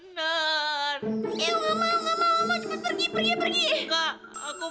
eww gak mau gak mau mau cepet pergi pergi pergi